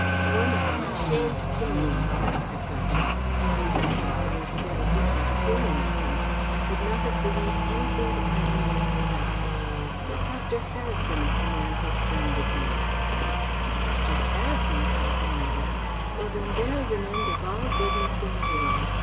"One I am ashamed to name," cries the serjeant; "indeed I had always a very different opinion of him: I could not have believed anything but my own ears and eyes; but Dr Harrison is the man who hath done the deed." "Dr Harrison!" cries Amelia. "Well, then, there is an end of all goodness in the world.